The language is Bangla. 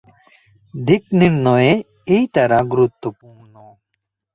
দিক নির্ণয়ে এই তারা গুরুত্বপূর্ণ।